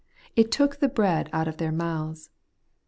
It took the bread out of their mouths.